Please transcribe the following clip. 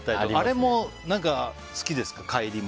あれも好きですか？